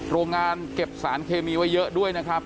โรงงานเก็บสารเคมีไว้เยอะด้วยนะครับ